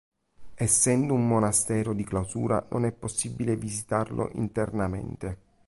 Essendo un monastero di clausura non è possibile visitarlo internamente.